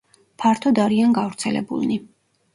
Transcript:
ფართოდ არიან გავრცელებულნი.